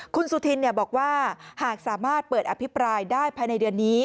คุณสุธินบอกว่าหากสามารถเปิดอภิปรายได้ภายในเดือนนี้